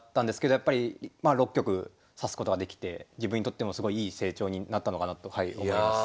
やっぱりまあ６局指すことができて自分にとってもすごいいい成長になったのかなとはい思います。